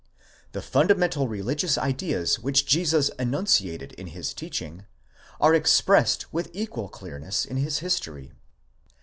The fundamental religious ideas which Jesus enunciated in his teaching, are expressed with equal clearness in his history.